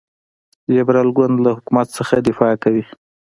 لیبرال ګوند له حکومت څخه دفاع کوي.